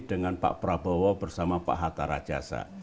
dengan pak prabowo bersama pak hatta rajasa